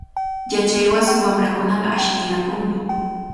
Yachaywasi wamrakunaqa ashllinakunmi.